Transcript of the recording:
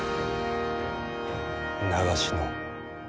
長篠。